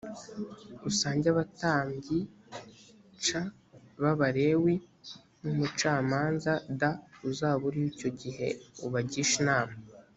usange abatambyi c b abalewi n umucamanza d uzaba uriho icyo gihe ubagishe inama